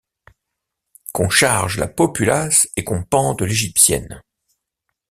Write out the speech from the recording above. Qu'on charge la populace et qu’on pende l’Égyptienne.